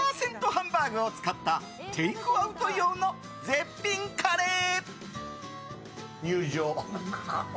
ハンバーグを使ったテイクアウト用の絶品カレー。